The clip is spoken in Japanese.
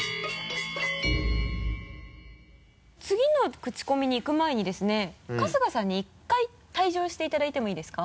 次のクチコミに行く前にですね春日さんに１回退場していただいてもいいですか？